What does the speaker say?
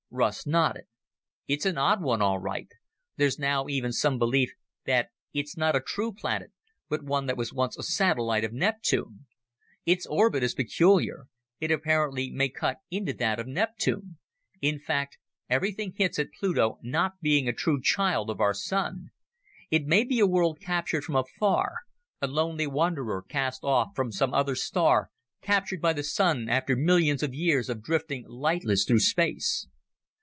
Russ nodded. "It's an odd one, all right. There's now even some belief that it's not a true planet, but one that was once a satellite of Neptune. Its orbit is peculiar; it apparently may cut into that of Neptune. In fact, everything hints at Pluto not being a true child of our Sun. It may be a world captured from afar a lonely wanderer cast off from some other star, captured by the Sun after millions of years of drifting lightless through space."